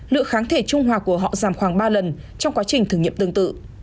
lượng kháng thể trung hòa của họ giảm khoảng ba lần trong quá trình thử nghiệm tương tự